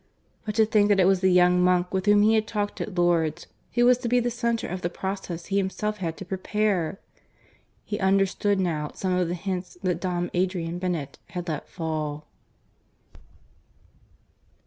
But to think that it was the young monk with whom he had talked at Lourdes who was to be the centre of the process he himself had to prepare! ... He understood now some of the hints that Dom Adrian Bennett had let fall.